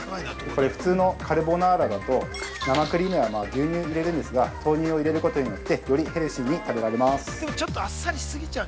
これ、普通のカルボナーラだと、生クリームや牛乳入れるんですが豆乳を入れることによって、よりヘルシーに食べられます。